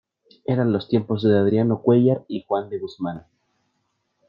eran los tiempos de Adriano Cuéllar y Juan de Guzmán .